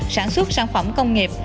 sản xuất sản phẩm công nghiệp